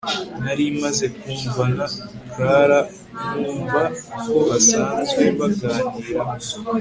nari maze kumvana Clara nkumva ko basanzwe banganiraho